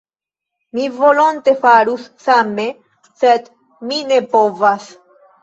Mi volonte farus same, sed mi ne povas.